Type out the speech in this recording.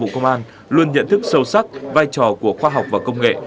bộ công an luôn nhận thức sâu sắc vai trò của khoa học và công nghệ